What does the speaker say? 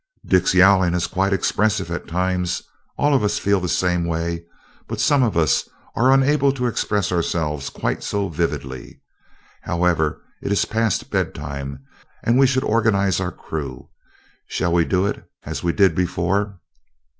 "Dick's yowling is quite expressive at times. All of us feel the same way, but some of us are unable to express ourselves quite so vividly. However, it is past bedtime, and we should organize our crew. Shall we do it as we did before?"